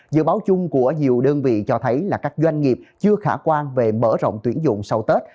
dự báo chung của nhiều đơn vị cho thấy là các doanh nghiệp chưa khả quan về mở rộng tuyển dụng sau tết